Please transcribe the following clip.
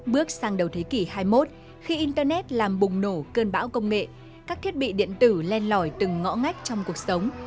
bước sang đầu thế kỷ hai mươi một khi internet làm bùng nổ cơn bão công nghệ các thiết bị điện tử len lỏi từng ngõ ngách trong cuộc sống